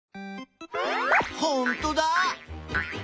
ほんとだ！